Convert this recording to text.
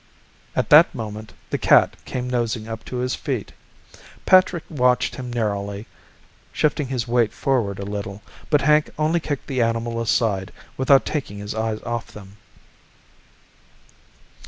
At that moment the cat came nosing up to his feet. Patrick watched him narrowly, shifting his weight forward a little, but Hank only kicked the animal aside without taking his eyes off them.